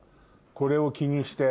これを気にして。